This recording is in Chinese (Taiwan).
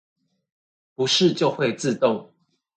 不是就會自動